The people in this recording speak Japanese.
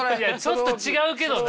ちょっと違うけどな。